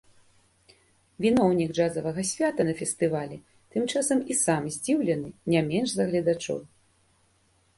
Віноўнік джазавага свята на фестывалі тым часам і сам здзіўлены не менш за гледачоў.